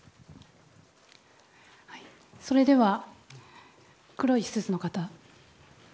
それでは黒いスーツの方。